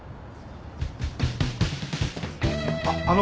あっあの。